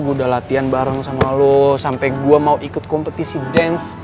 gue udah latihan bareng sama lo sampai gue mau ikut kompetisi dance